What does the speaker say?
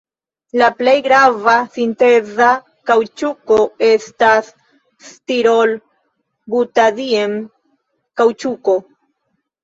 La plej grava sinteza kaŭĉuko estas stirol-butadien-kaŭĉuko.